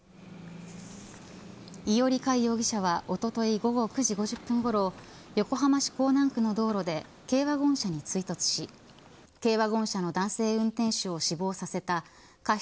伊従開容疑者は一昨日９時５０分ごろ横浜市港南区の道路で軽ワゴン車に追突し軽ワゴン車の男性運転手を死亡させた過失